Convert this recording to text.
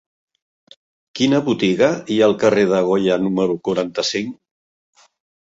Quina botiga hi ha al carrer de Goya número quaranta-cinc?